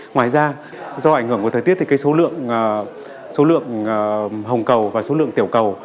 ngoài ra do ảnh hưởng của thời tiết thì số lượng hồng cầu và số lượng tiểu cầu